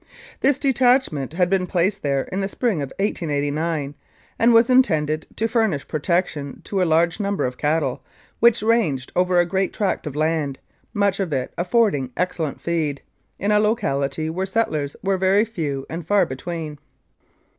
This detachment had been placed there in the spring of 1889, an d was intended to furnish protection to a large number of cattle, which ranged over a great tract of land, much of it affording excellent feed, in a locality where settlers were very few and far between.